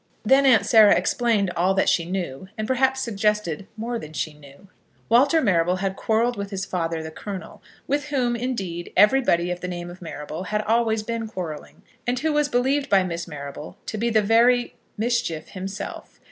Then aunt Sarah explained all that she knew, and perhaps suggested more than she knew. Walter Marrable had quarrelled with his father, the Colonel, with whom, indeed, everybody of the name of Marrable had always been quarrelling, and who was believed by Miss Marrable to be the very mischief himself.